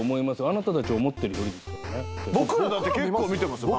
あなたたちが思ってるよりですよね。